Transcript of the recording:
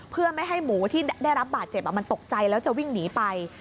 เพื่อไม่ให้หมูที่ได้รับบาดเจ็บมันตกใจแล้วจะวิ่งหนีไป